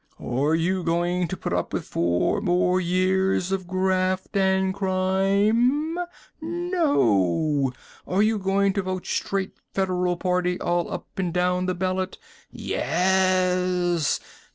Are you going to put up with four more years of graft and crime? NO! Are you going to vote straight Federal Party all up and down the ballot? YES!